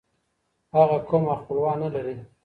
هغه قوم او خپلوان نلري.